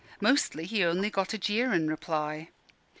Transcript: Mostly he only got a jeer in reply.